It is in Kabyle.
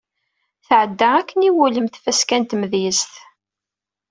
Tεedda akken iwulem tfaska n tmedyazt.